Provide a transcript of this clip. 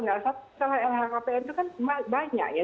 karena lhkpn itu kan banyak ya